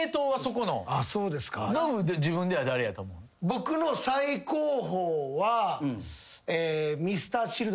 僕の最高峰は。